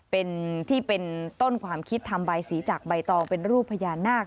เป็นที่เป็นต้นความคิดทำใบสีจากใบตองเป็นรูปพญานาค